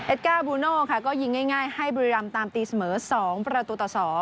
ก้าบูโน่ค่ะก็ยิงง่ายให้บุรีรำตามตีเสมอ๒ประตูต่อ๒